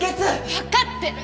わかってる！